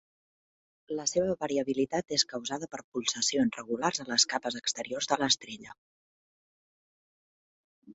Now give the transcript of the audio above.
La seva variabilitat és causada per pulsacions regulars a les capes exteriors de l'estrella.